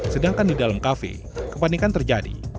sedangkan di dalam kafe kepanikan terjadi